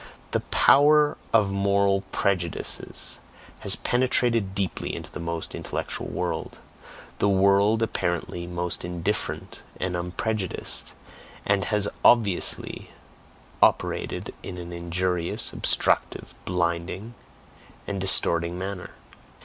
The power of moral prejudices has penetrated deeply into the most intellectual world, the world apparently most indifferent and unprejudiced, and has obviously operated in an injurious, obstructive, blinding, and distorting manner.